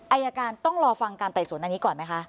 อายการต้องรอฟังการไต่สวนอันนี้ก่อนไหมคะ